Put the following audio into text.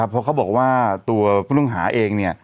เพราะเขาบอกว่าตัวผู้ต้องหาเอง